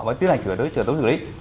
và tiến hành chữa đối với chữa tố xử lý